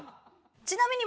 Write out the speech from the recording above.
ちなみに。